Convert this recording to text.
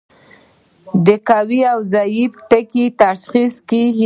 د قوي او ضعیفو ټکو تشخیص کیږي.